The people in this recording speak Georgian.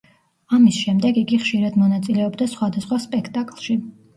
ამის შემდეგ იგი ხშირად მონაწილეობდა სხვადასხვა სპექტაკლში.